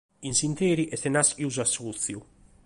In s’ìnteri est nàschidu s'assòtziu.